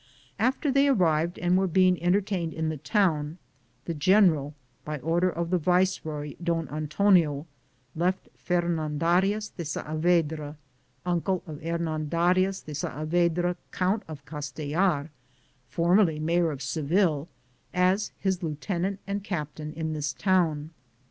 After they arrived and were twing entertained in the town, the general, by order of the viceroy Don Antonio, left Fernandarias de Saabedra, uncle of Hernandarias de Saabedra, count of Castellar, formerly mayor of Seville, as his lieutenant and captain in this town.